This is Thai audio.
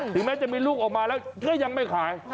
แม้จะมีลูกออกมาแล้วก็ยังไม่ขาย